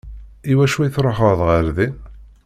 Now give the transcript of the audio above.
I wacu i tṛuḥeḍ ɣer din?